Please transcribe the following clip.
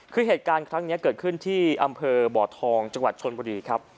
คือเหตุการณ์ครั้งนี้เกิดขึ้นที่อำเภอบ่อทองจังหวัดชนบุรีครับ